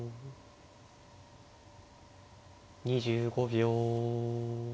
２５秒。